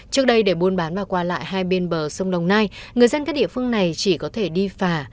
trước đây để buôn bán và qua lại hai bên bờ sông đồng nai người dân các địa phương này chỉ có thể đi phà